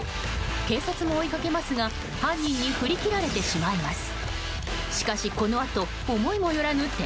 警察も追いかけますが犯人に振り切られてしまいます。